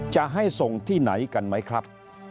จะให้ส่งที่ไหนกันไหมครับ